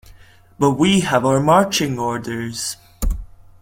But we have our marching orders.